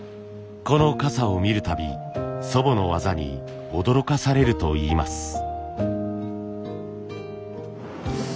この傘を見るたび祖母の技に驚かされるといいます。